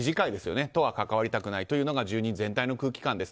そことは関わりたくないというのが住人全体の空気感です。